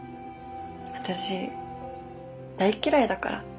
私大嫌いだから。